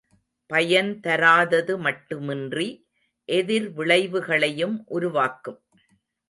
பயன்தராதது மட்டுமின்றி எதிர் விளைவுகளையும் உருவாக்கும்.